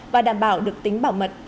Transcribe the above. và đảm bảo được tính bảo mật